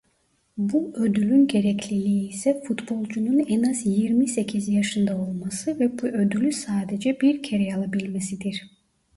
Bu ödülün gerekliliği ise futbolcunun en az yirmi sekiz yaşında olması ve bu ödülü sadece bir kere alabilmesidir.